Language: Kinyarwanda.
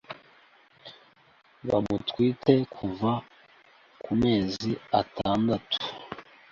bamutwite kuva ku mezi atandatu